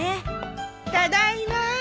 ただいま。